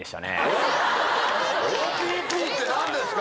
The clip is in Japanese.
ＯＰＰって何ですか？